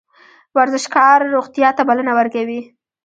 ورزشکار روغتیا ته بلنه ورکوي